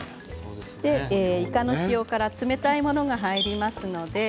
いかの塩辛冷たいものが入ります。